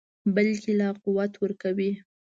بلکې لا قوت ورکوي.